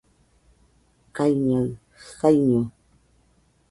kaiñaɨ saiño